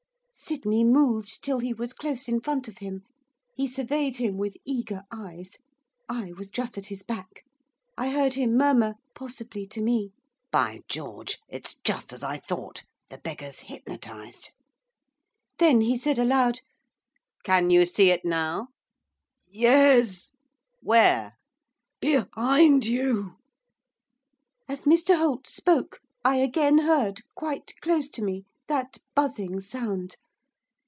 Sydney moved till he was close in front of him. He surveyed him with eager eyes. I was just at his back. I heard him murmur, possibly to me. 'By George! It's just as I thought! The beggar's hypnotised!' Then he said aloud, 'Can you see it now?' 'Yes.' 'Where?' 'Behind you.' As Mr Holt spoke, I again heard, quite close to me, that buzzing sound.